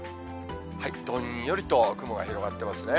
どんよりと雲が広がってますね。